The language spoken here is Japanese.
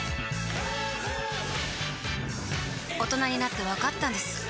大人になってわかったんです